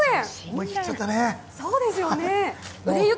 思い切っちゃったね。